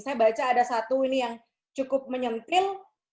saya baca ada satu ini yang cukup menyentil